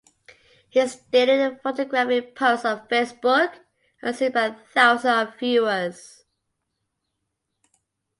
His daily photographic posts on Facebook are seen by thousands of viewers.